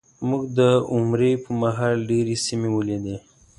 موږ د عمرې په مهال ډېرې سیمې ولیدې.